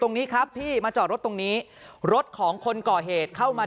ตรงนี้ครับพี่มาจอดรถตรงนี้รถของคนก่อเหตุเข้ามา